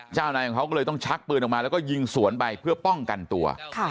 เจ้านายของเขาก็เลยต้องชักปืนออกมาแล้วก็ยิงสวนไปเพื่อป้องกันตัว